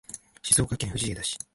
静岡県藤枝市